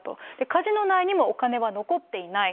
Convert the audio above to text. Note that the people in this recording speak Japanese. カジノ内にもお金は残っていない。